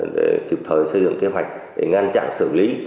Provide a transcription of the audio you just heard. để kịp thời xây dựng kế hoạch để ngăn chặn xử lý